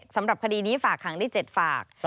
สำหรับคดีนี้ฝากหางได้๗ฝาก